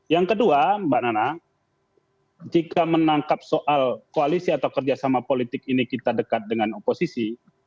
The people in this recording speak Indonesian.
yang kedua mbak nana jika menangkap soal koalisi atau kerjasama politik ini kita dekat dengan oposisi